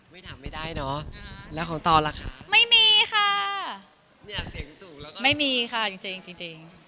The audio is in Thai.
ไม่มีค่ะจริง